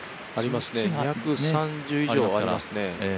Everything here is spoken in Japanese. ２３０以上ありますね。